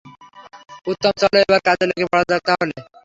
উত্তম, চলো এবার কাজে লেগে পড়া যাক তাহলে।